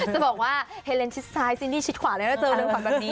จะบอกว่าเฮเลนชิดซ้ายซินนี่ชิดขวาแล้วจะเจอเลนขวาแบบนี้